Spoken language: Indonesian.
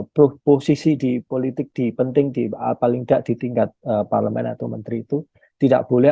berposisi di politik di penting di paling tidak di tingkat parlemen atau menteri itu tidak boleh